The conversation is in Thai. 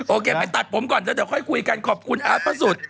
โอเคไปตัดผมก่อนแล้วเดี๋ยวค่อยคุยกันขอบคุณอาร์ตพระสุทธิ์